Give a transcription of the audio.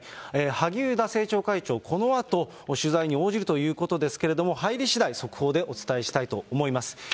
萩生田政調会長、このあと取材に応じるということですけれども、入りしだい速報でお伝えしたいと思います。